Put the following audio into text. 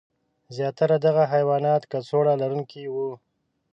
زیاتره دغه حیوانات کڅوړه لرونکي وو.